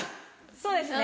そうですね。